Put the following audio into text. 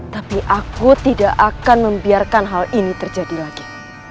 tapi aku tidak akan membiarkan hal ini terjadi lagi